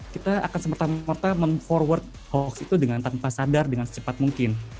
kita akan semerta merta mem forward hoax itu dengan tanpa sadar dengan secepat mungkin